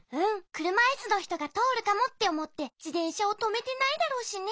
「くるまいすのひとがとおるかも」っておもってじてんしゃをとめてないだろうしね。